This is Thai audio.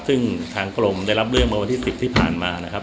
ซึ่งทางกรมได้รับเรื่องเมื่อวันที่๑๐ที่ผ่านมานะครับ